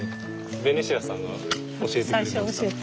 ベニシアさんが教えてくれました。